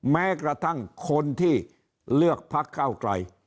แม้กระทั่งคนที่เลือกพักเก้าไกล